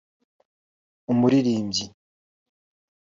umuririmbyi